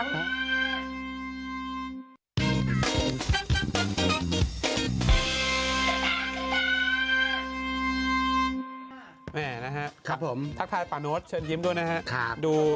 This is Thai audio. นะครับผมทักทายปาโน้ตเชิญยิ้มด้วยนะครับ